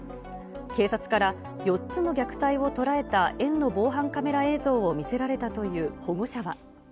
警察から４つの虐待を捉えた園の防犯カメラ映像を見せられたという保護者は。